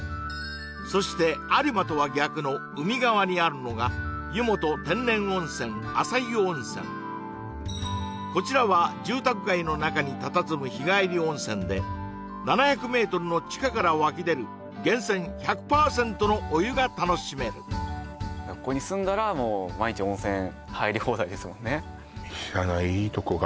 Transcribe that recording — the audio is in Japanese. そして有馬とは逆の海側にあるのがこちらは住宅街の中にたたずむ日帰り温泉で７００ｍの地下から湧き出る源泉１００％のお湯が楽しめるここに住んだらもう毎日温泉入り放題ですもんね